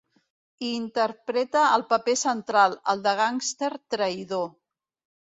Hi interpreta el paper central, el del gàngster traïdor.